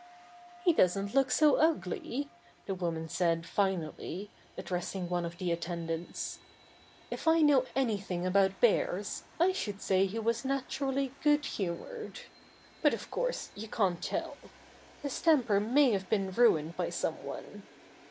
"He doesn't look so ugly," the woman said finally, addressing one of the attendants. "If I know anything about bears, I should say he was naturally good humored. But of course you can't tell. His temper may have been ruined by some one.